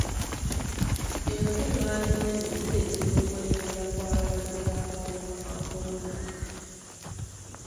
Enkungaana ennene zireetera okweyongera kw'abalwadde b'akawuka ka kolona.